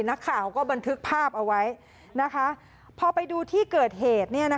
นักข่าวก็บันทึกภาพเอาไว้นะคะพอไปดูที่เกิดเหตุ